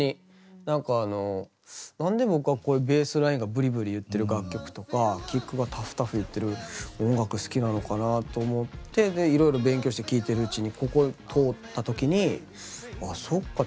なんかあの何で僕はこういうベースラインがぶりぶりいってる楽曲とかキックがたふたふいってる音楽好きなのかなあと思ってでいろいろ勉強して聴いてるうちにここ通った時にあそっかって。